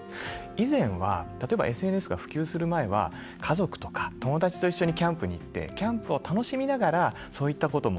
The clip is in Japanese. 以前は、例えばＳＮＳが普及する前は家族とか友達と一緒にキャンプに行ってキャンプを楽しみながらそういったことも